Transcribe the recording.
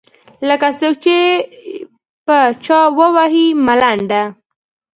لکــــه څــوک چې په چـــا ووهي ملـــنډه.